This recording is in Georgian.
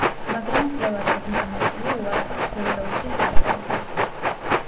მაგრამ მკვლევართა დიდი ნაწილი უარყოფს ფირდოუსის ავტორობას.